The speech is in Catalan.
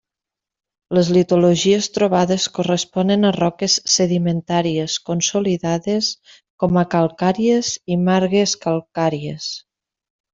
Les litologies trobades corresponen a roques sedimentàries consolidades com a calcàries i margues calcàries.